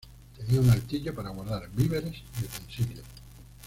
Tenía un altillo para guardar víveres y utensilios.